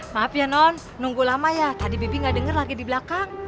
maaf ya nons nunggu lama ya tadi bibi nggak denger lagi di belakang